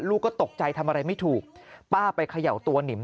ลูกก็ตกใจทำอะไรไม่ถูกป้าไปเขย่าตัวนิม